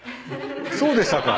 そうでしたか。